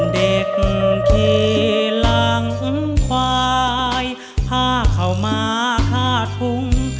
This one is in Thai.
เด็กเขลังควายพาเขามาฆาตภุง